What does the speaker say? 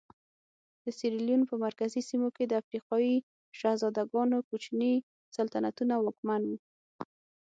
د سیریلیون په مرکزي سیمو کې د افریقایي شهزادګانو کوچني سلطنتونه واکمن وو.